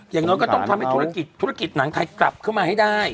อย่างน้อยก็ต้องทำให้ธุรกิจธุรกิจหนังไทยกลับเข้ามาให้ได้